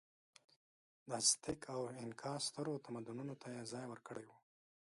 د ازتېک او اینکا سترو تمدنونو ته یې ځای ورکړی و.